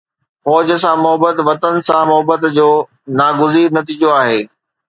فوج سان محبت وطن سان محبت جو ناگزير نتيجو آهي.